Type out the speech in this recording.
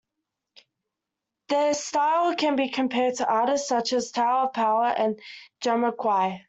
Their style can be compared to artists such as Tower of Power and Jamiroquai.